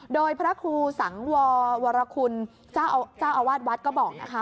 โดยพระครูสังวรวรคุณเจ้าอาวาสวัดก็บอกนะคะ